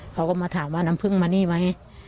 เขาก็มาถามว่าน้ำพึ่งมานี่ไหม